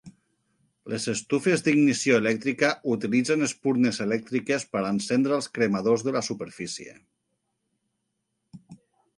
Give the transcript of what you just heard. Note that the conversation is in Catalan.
Les estufes d'ignició elèctrica utilitzen espurnes elèctriques per encendre els cremadors de la superfície.